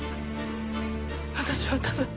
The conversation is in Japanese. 私はただ。